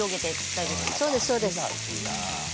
そうです、そうです。